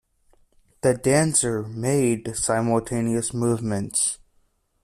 The dancer made simultaneous movements.